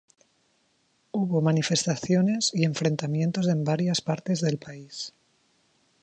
Hubo manifestaciones y enfrentamientos en varias partes del país.